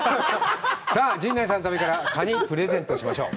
さあ、陣内さんの旅からカニ、プレゼントしましょう。